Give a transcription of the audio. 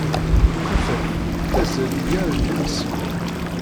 Tafat tettazzal ugar n yimesli.